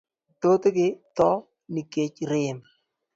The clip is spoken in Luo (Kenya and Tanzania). Thothgi tho nikech rem.